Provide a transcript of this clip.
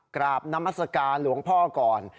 กราบนามัศกาลหลวงพ่อก่อน